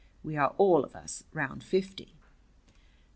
We are all of us round fifty.